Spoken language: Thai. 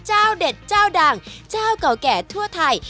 เจ้าเด็ดเจ้าดังเจ้าเก่าแก่ทั่วไทย